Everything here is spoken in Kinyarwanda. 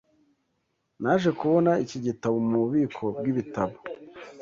Naje kubona iki gitabo mububiko bwibitabo.